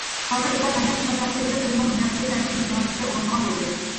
ھازىر ئۇلار ھەممە ئىشقا چات كېرىۋېلىپ، ئۆزىنىڭ دۇنيادىكى تەسىرىنى كېڭەيتىشكە ئۇرۇنىدىغان بولدى.